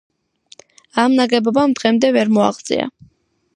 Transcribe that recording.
ამ ნაგებობამ დღემდე ვერ მოაღწია.